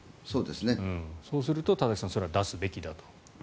そうすると田崎さんそれは出すべきだと。